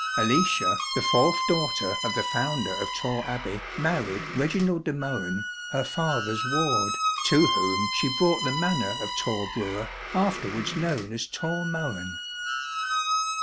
Alicia, the fourth daughter of the founder of Torre Abbey, married Reginald de Mohun, her father's ward, to whom she brought the manor of Tor Brewer, afterwards known as Tor Mohun.